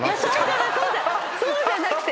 そうじゃなくて！